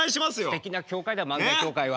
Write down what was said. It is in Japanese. すてきな協会だよ漫才協会は。